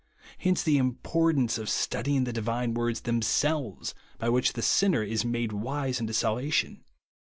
Hence the importance of studying the divine Avorda themselves, by which the sinner is made wise unto salvation.